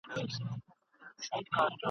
عمرونه وسول په تیارو کي دي رواني جرګې !.